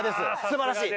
すばらしい！